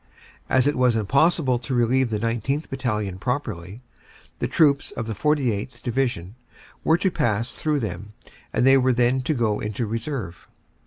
As it was impossible to relieve the 19th. Battalion properly, the troops of the 49th. Division were to pass through them and they were then to go into reserve.